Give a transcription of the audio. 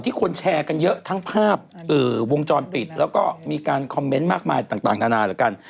ที่คนแชร์ทั้งภาพแล้วก็มีการคอมเม้นต์มากมายต่างขณะนะ